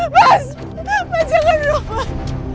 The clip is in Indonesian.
mas jangan dong mas